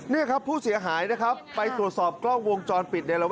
นี่ครับผู้เสียหายไปสวดสอบกล้องวงจรปิดในระแวกนั้น